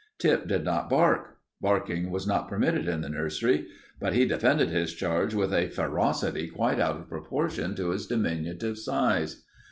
Tip did not bark; barking was not permitted in the nursery. But he defended his charge with a ferocity quite out of proportion to his diminutive size.